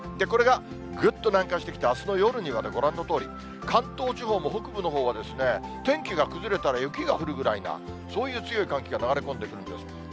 これがぐっと南下してきて、あすの夜にはご覧のとおり、関東地方も北部のほうは、天気が崩れたら雪が降るぐらいな、そういう強い寒気が流れ込んでくるんです。